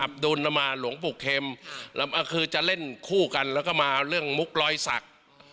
อับดูลมาหลวงปู่เข็มแล้วคือจะเล่นคู่กันแล้วก็มาเรื่องมุกรอยสัก